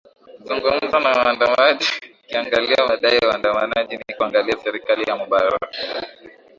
zungumza na waandamanaji ukiangalia madai ya wandamanaji ni kuangalia serikali ya mubarak